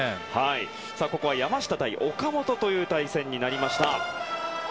ここは山下対岡本という対戦になりました。